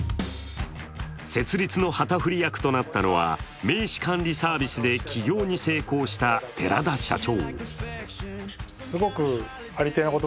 設立の旗振り役となったのは名刺管理サービスで起業に成功した寺田社長。